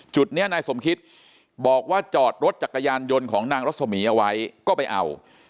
จุดนี้นายสมคิตบอกว่าจอดรถจักรยานยนต์ของนางรสมีเอาไว้ก็ไปเอา